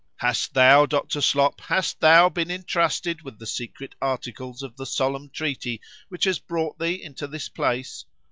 ——Hast thou, Dr. Slop,—hast thou been entrusted with the secret articles of the solemn treaty which has brought thee into this place?